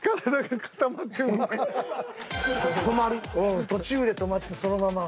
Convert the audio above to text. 止まる途中で止まってそのまま。